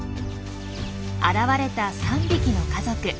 現れた３匹の家族。